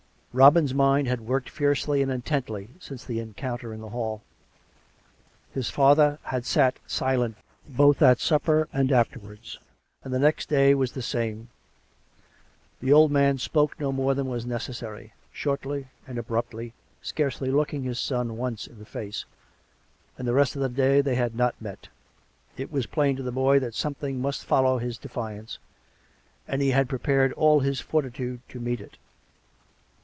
Robin's mind had worked fiercely and intently since the encounter in the hall. His father had sat silent both at supper and afterwards, and the next day was the same; the old man spoke no more than was neces"sary, shortly and abruptly, scarcely looking his son once in the face, and the rest of the day they had not met. It was plain to the boy that something must follow his defiance, and he had pre pared all his fortitude to meet it.